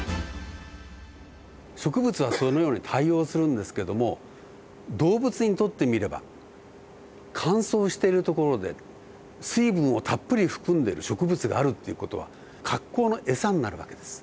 植物はそのように対応するんですけども動物にとってみれば乾燥している所で水分をたっぷり含んでいる植物があるっていう事は格好の餌になる訳です。